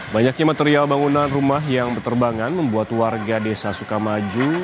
banyaknya material bangunan rumah yang berterbangan membuat warga desa sukamaju